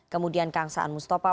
kemudian kang saan mustafa